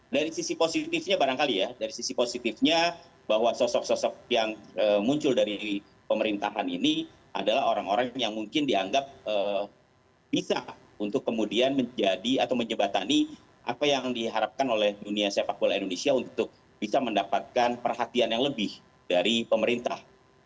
dari sisi positifnya barangkali ya bahwa sosok sosok yang muncul dari pemerintahan ini adalah orang orang yang mungkin dianggap bisa untuk kemudian menjadi atau menyebatani apa yang diharapkan oleh dunia sepak bola indonesia untuk bisa mendapatkan perhatian yang lebih dari pemerintah